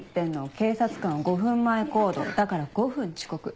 警察官は５分前行動だから５分遅刻。